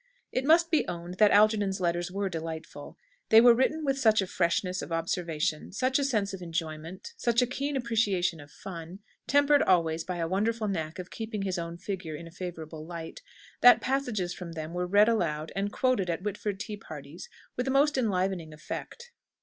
It must be owned that Algernon's letters were delightful. They were written with such a freshness of observation, such a sense of enjoyment, such a keen appreciation of fun tempered always by a wonderful knack of keeping his own figure in a favourable light that passages from them were read aloud, and quoted at Whitford tea parties with a most enlivening effect.